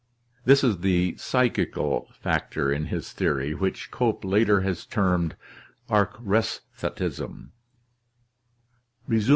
(This is the psychical factor in his theory which Cope later has termed Archresthet ism.)